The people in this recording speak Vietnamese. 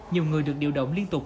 nhiều người được điều động liên tục